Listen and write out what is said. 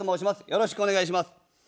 よろしくお願いします。